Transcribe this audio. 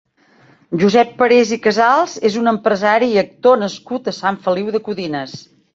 Josep Parés i Casals és un empresari i actor nascut a Sant Feliu de Codines.